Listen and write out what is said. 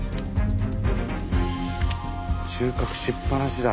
収穫しっ放しだ。